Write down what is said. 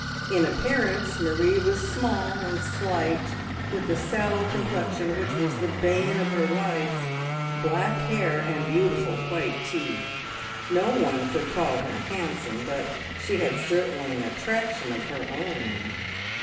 In appearance Marie was small and slight, with a sallow complexion which was the bane of her life, black hair and beautiful white teeth. No one could call her handsome, but she had certainly an attraction of her own.